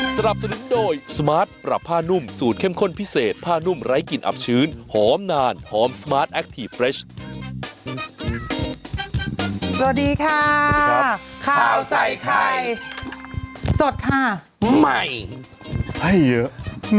สวัสดีค่ะสวัสดีครับข้าวใส่ไข่สดค่ะใหม่ให้เยอะ